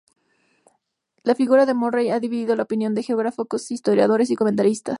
La figura de Morrell ha dividido la opinión de geógrafos, historiadores y comentaristas.